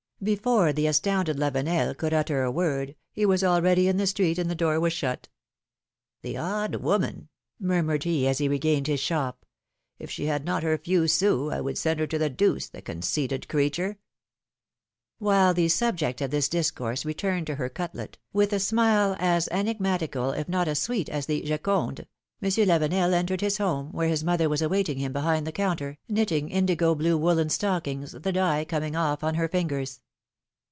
Before the astounded Lavenel could utter a word, he was already in the street and the door was shut. ^^The odd woman!" murmured he, as he regained his shop; ^^if she had not her few sous, I would send her to the deuce, the conceited creature !" 32 philom^ne's marriages. While the subject of this discourse returned to her cutlet, with a smile as enigmatical if not as sweet as the ^^JoGondes,^^ Monsieur Lavenel entered his home, where his mother was awaiting him behind the counter, knitting indigo blue woollen stockings, the dye coming off on her fingers.